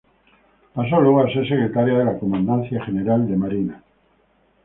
Pasó luego a ser secretario de la Comandancia General de Marina.